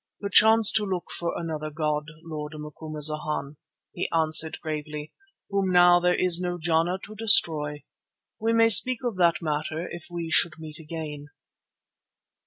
"Perchance to look for another god, Lord Macumazana," he answered gravely, "whom now there is no Jana to destroy. We may speak of that matter if we should meet again."